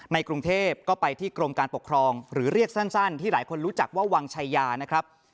กรุงเทพก็ไปที่กรมการปกครองหรือเรียกสั้นที่หลายคนรู้จักว่าวังชายานะครับ